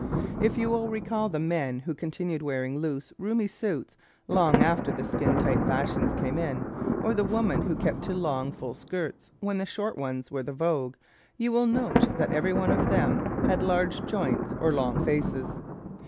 If you will recall the men who continued wearing loose, roomy suits long after the "skin tight" fashions came in, or the women who kept to long, full skirts when short ones were the vogue you will note that every one of them had large joints or long faces.